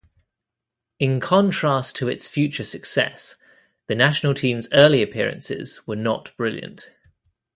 In contrast to its future success, the national team's early appearances were not brilliant.